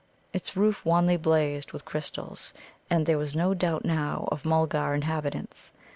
Its roof wanly blazed with crystals. And there was no doubt now of Mulgar inhabitants.